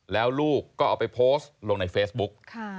แล้วลูกก็เอาไปโพสต์ลงในเฟซบุ๊ก